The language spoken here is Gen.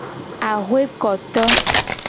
Axwekoto.